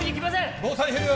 防災ヘリは？